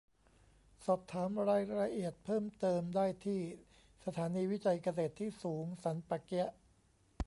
สอบถามรายละเอียดเพิ่มเติมได้ที่สถานีวิจัยเกษตรที่สูงสันป่าเกี๊ยะ